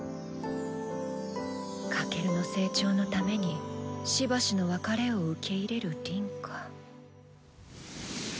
翔の成長のためにしばしの別れを受け入れる凛か。